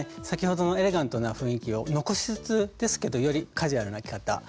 先ほどのエレガントな雰囲気を残しつつですけどよりカジュアルな着方。